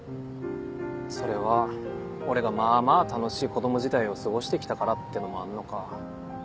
それは俺がまぁまぁ楽しい子供時代を過ごしてきたからってのもあんのか。